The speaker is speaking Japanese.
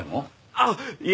あっいや